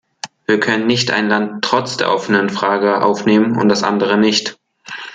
Wir können nicht ein Land trotz der offenen Frage aufnehmen und das andere nicht.